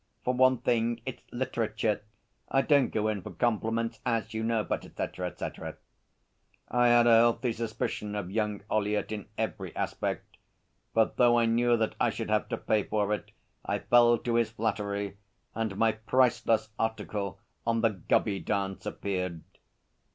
For one thing it's Literature. I don't go in for compliments as you know, but, etc. etc.' I had a healthy suspicion of young Ollyett in every aspect, but though I knew that I should have to pay for it, I fell to his flattery, and my priceless article on the 'Gubby Dance' appeared.